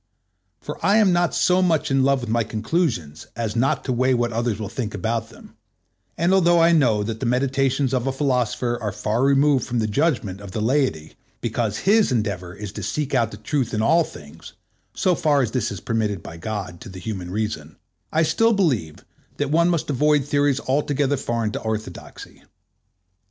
For I am not so much in love with my conclusions as not to weigh what others will think about them, and although I know that the meditations of a philosopher are far removed from the judgment of the laity, because his endeavor is to seek out the truth in all things, so far as this is permitted by God to the human reason, I still believe that one must avoid theories altogether foreign to orthodoxy.